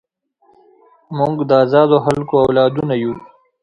موږ د ازادو خلکو اولادونه یو.